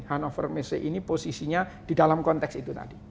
hannover messe ini posisinya di dalam konteks itu tadi